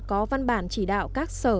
có văn bản chỉ đạo các sở